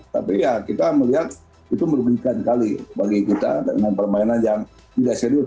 tapi ya kita melihat itu merugikan sekali bagi kita dengan permainan yang tidak serius